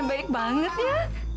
baik banget ya